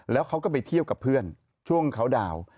แล้วเขาก็ไปเที่ยวกับเพื่อนช่วงเขาดาวน์